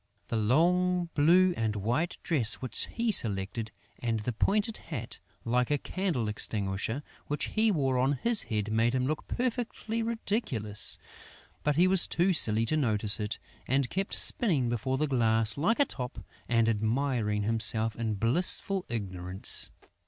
The long blue and white dress which he selected and the pointed hat, like a candle extinguisher, which he wore on his head made him look perfectly ridiculous; but he was too silly to notice it and kept spinning before the glass like a top and admiring himself in blissful ignorance.